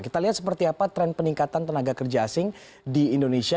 kita lihat seperti apa tren peningkatan tenaga kerja asing di indonesia